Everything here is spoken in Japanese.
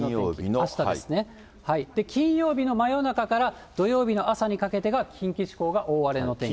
あしたですね、金曜日の真夜中から土曜日の朝にかけては近畿地方で大荒れの天気。